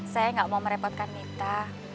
saya nggak mau merepotkan mita